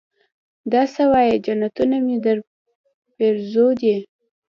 دا سه وايې جنتونه مې درپېرزو دي.